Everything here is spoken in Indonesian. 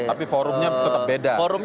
tapi forumnya tetap beda